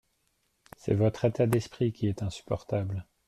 C’est votre état d’esprit qui est insupportable.